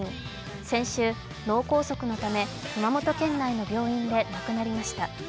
先週、脳梗塞のため熊本県内の病院で亡くなりました。